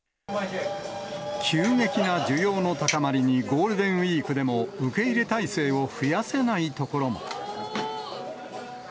急激な需要の高まりに、ゴールデンウィークでも受け入れ体制を増やせない所も。